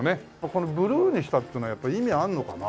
このブルーにしたっていうのはやっぱ意味あるのかな？